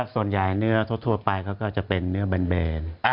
ก็ส่วนใหญ่เนื้อทั่วไปเขาก็จะเป็นเนื้อเบน